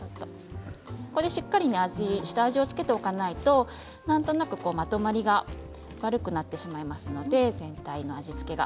ここでしっかり下味を付けておかないとなんとなくまとまりが悪くなってしまいますので全体の味付けが。